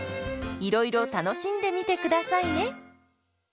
いろいろ楽しんでみてくださいね。